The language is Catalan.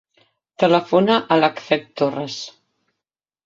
Telefona a l'Acfred Torres.